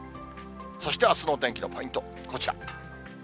そしてあすのお天気のポイント、こちら。